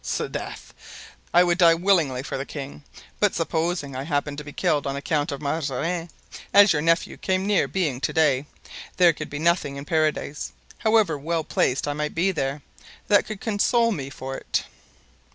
'Sdeath! I would die willingly for the king, but supposing I happened to be killed on account of Mazarin, as your nephew came near being to day, there could be nothing in Paradise, however well placed I might be there, that could console me for it."